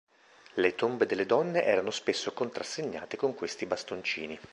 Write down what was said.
Le tombe delle donne erano spesso contrassegnate con questi bastoncini.